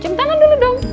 cium tangan dulu dong